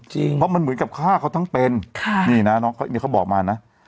เพราะมันเหมือนกับฆ่าเขาทั้งเป็นค่ะนี่นะน้องเขาเนี่ยเขาบอกมานะ